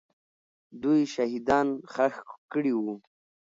دوی شهیدان ښخ کړي وو.